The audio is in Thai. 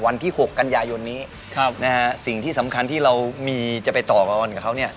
วันที่๖กันยายนนี้สิ่งที่สำคัญที่เรามีจะไปต่อกรกับเขาเนี่ย